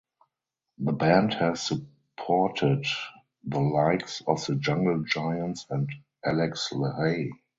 The band has supported the likes of the Jungle Giants and Alex Lahey.